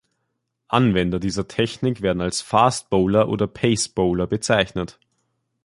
Anwender dieser Technik werden als Fast bowler oder pace bowler bezeichnet.